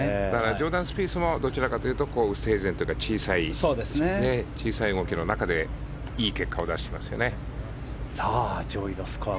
ジョーダン・スピースもどちらかというと小さい動きの中でいい結果を残していますよね。